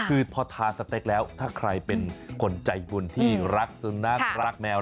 คือพอทานสเต็กแล้วถ้าใครเป็นคนใจบุญที่รักสุนัขรักแมว